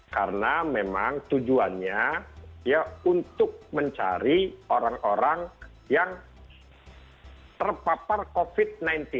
karena memang tujuannya ya untuk mencari orang orang yang terpapar covid sembilan belas